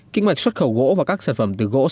kinh mạch xuất khẩu gỗ và các sản phẩm từ gỗ